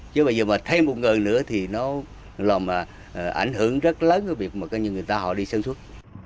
chứ bây giờ mà thêm một người nữa thì nó là mà ảnh hưởng rất lớn cái việc mà cái người ta họ đi sân xuất